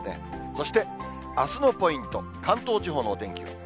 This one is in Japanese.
そしてあすのポイント、関東地方のお天気。